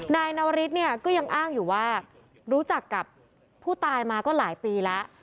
นายนวริสเนี่ยก็ยังอ้างอยู่ว่ารู้จักกับผู้ตายมาก็หลายปีแล้ว